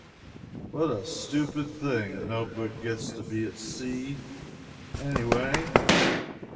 What a stupid thing a note book gets to be at sea, any way.